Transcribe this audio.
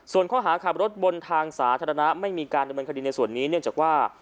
ส่วนข้อหาขับรถบนทางสาธารณะไม่มีการดำเนินคดีในส่วนนี้เนื่องจากว่า